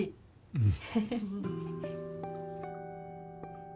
うん。